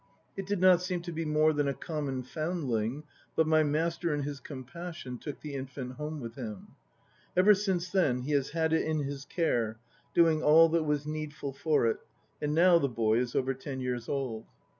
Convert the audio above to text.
It did not seem to be more than a common foundling, but my master in his compassion took the infant home with him. Ever since then he has had it in his care, doing all that was needful for it; and now the boy is over ten years old.